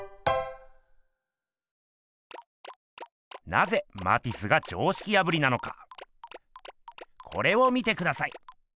なぜマティスが常識破りなのかこれを見てください。